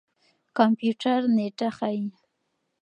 کمپيوټر نېټه ښيي.